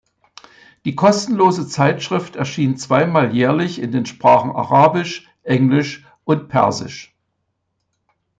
Die kostenlose Zeitschrift erschien zweimal jährlich in den Sprachen Arabisch, Englisch und Persisch.